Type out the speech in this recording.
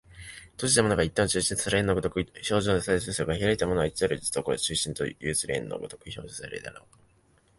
閉じたものが一点を中心とする円の如く表象されるとすれば、開いたものは到る処中心を有する円の如く表象されるであろう。